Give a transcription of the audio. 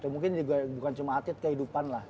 mungkin juga bukan cuma atlet kehidupan lah